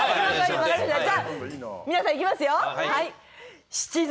じゃあ皆さんいきますよ。